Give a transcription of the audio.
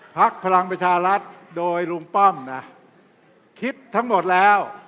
พรรณปรัชานัทโดยลุงป้อมคิดทั้งหมดแล้ว